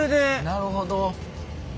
なるほど。